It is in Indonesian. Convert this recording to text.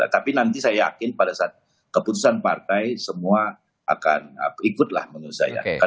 tapi nanti saya yakin pada saat keputusan partai semua akan ikut lah menurut saya